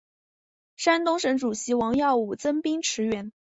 山东省主席王耀武增兵驰援。